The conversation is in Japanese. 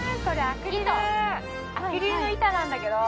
アクリルの板なんだけど。